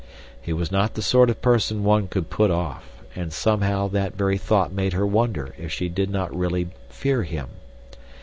He was not the sort of person one could put off, and somehow that very thought made her wonder if she did not really fear him.